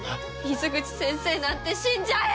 水口先生なんて死んじゃえ！